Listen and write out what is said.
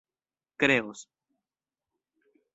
kreos